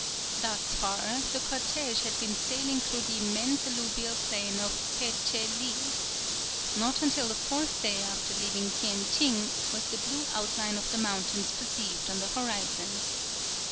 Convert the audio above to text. Thus far, the cortège had been sailing through the immense alluvial plain of Pe tche Li. Not until the fourth day after leaving Tien Tsing was the blue outline of mountains perceived on the horizon.